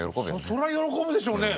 そりゃ喜ぶでしょうね。